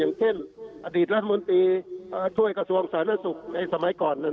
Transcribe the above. อย่างเช่นอดีตรัฐมนตรีช่วยกระทรวงสาธารณสุขในสมัยก่อน